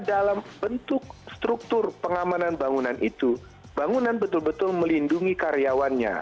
dalam bentuk struktur pengamanan bangunan itu bangunan betul betul melindungi karyawannya